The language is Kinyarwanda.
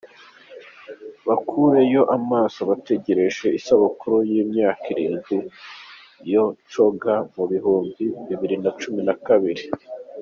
Bakureyo amaso abategereje isabukuru y’imyaka irindwi yo Coga mu bihumbi bibiri nacumi nakabiri